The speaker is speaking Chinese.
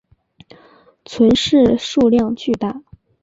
存世数量巨大。